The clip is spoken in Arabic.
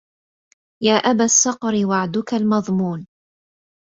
يا أبا الصقر وعدك المضمون